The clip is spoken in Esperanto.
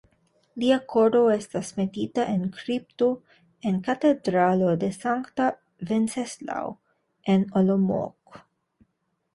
Lia koro estas metita en kripto en Katedralo de sankta Venceslao en Olomouc.